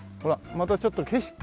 またちょっと景色が。